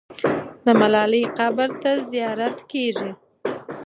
د ملالۍ قبر ته زیارت کېږي.